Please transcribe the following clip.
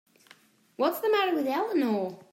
What's the matter with Eleanor?